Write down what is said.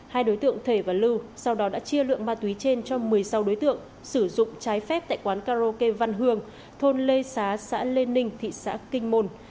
hai đối tượng thể và lưu sau đó đã chia lượng ma túy trên cho một mươi sáu đối tượng sử dụng trái phép tại quán karaoke văn hương thôn lê xá xã lê ninh thị xã kinh môn